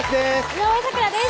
井上咲楽です